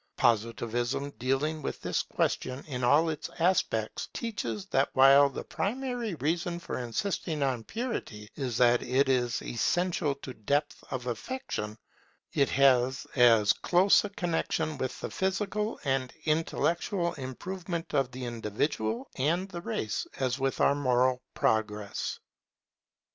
Positivism, dealing with this question in all its aspects, teaches that while the primary reason for insisting on purity is that it is essential to depth of affection, it has as close a connexion with the physical and intellectual improvement of the individual and the race as with our moral progress.